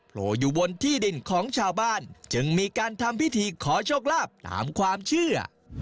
โผล่อยู่บนที่ดินของชาวบ้านจึงมีการทำพิธีขอโชคลาภตามความเชื่อ